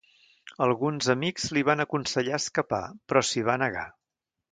Alguns amics li van aconsellar escapar però s'hi va negar.